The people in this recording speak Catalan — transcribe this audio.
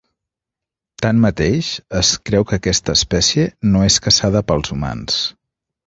Tanmateix, es creu que aquesta espècie no és caçada pels humans.